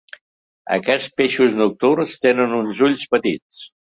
Aquests peixos nocturns tenen uns ulls petits.